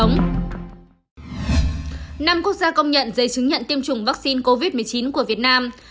năm quốc gia công nhận giấy chứng nhận tiêm chủng vaccine covid một mươi chín của việt nam